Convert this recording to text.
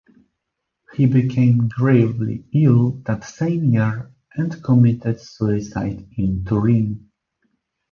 He became gravely ill that same year and committed suicide in Turin.